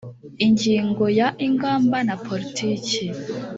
ingingo ya ingamba na politiki